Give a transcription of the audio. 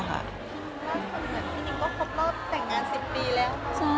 และสำเร็จที่นิ้งก็คบรอบแต่งงาน๑๐ปีเลยเลยฮะ